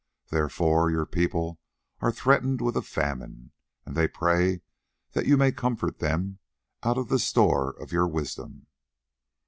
Therefore your people are threatened with a famine, and they pray that you may comfort them out of the store of your wisdom."